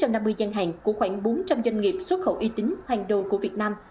doanh hàng của khoảng bốn trăm linh doanh nghiệp xuất khẩu uy tín hàng đầu của việt nam